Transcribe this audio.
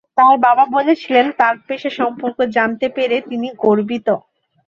তার বাবা বলেছিলেন যে তাঁর পেশা সম্পর্কে জানতে পেরে তিনি "গর্বিত"।